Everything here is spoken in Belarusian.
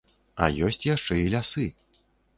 А ёсць яшчэ і лясы.